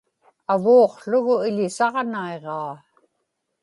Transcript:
avuuqługu iḷisaġnaiġaa